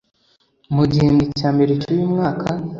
mu gihembwe cya mbere cy'uyu mwaka,